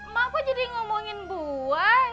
ma kok jadi ngomongin buah